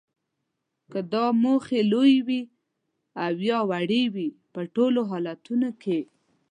که دا موخې لویې وي او یا وړې وي په ټولو حالتونو کې